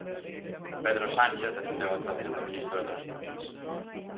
Pedro Sánchez defendeu a actuación do ministro de Transportes.